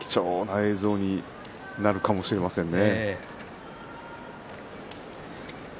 貴重な映像になるかもしれませんね。